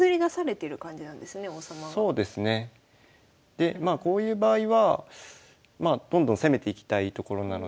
でまあこういう場合はどんどん攻めていきたいところなので。